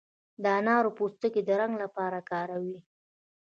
د انارو پوستکي د رنګ لپاره کاروي.